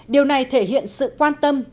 điều này thể hiện sự quan tâm